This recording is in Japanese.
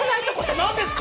何ですか？